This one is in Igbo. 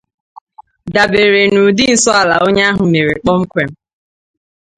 dàbere n'ụdị nsọala onye ahụ mere kpọmkwem